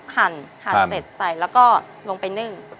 หั่นเสร็จใส่แล้วก็ลงไปนึ่ง